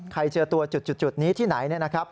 ใครเจอตัวจุดนี้ที่ไหนนะครับ